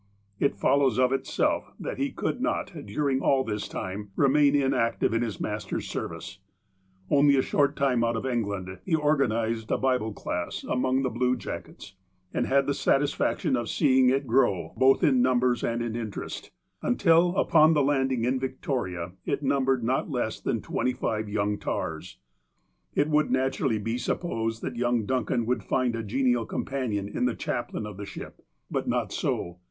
It follows of itself, that he could not, during all this time, remain inactive in his Master's service. Only a short time out of England, he organized a Bible class among the blue jackets, and had the satisfaction of seeing it gradually grow, both in numbers and in interest, until, upon the landing in Victoria, it numbered not less than twenty five young tars. It would naturally be supposed that young Duncan would find a genial companion in the chaplain of the ship. But not so.